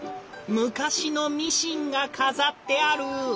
昔のミシンが飾ってある！